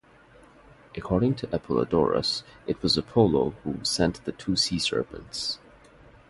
According to Apollodorus, it was Apollo who sent the two sea serpents.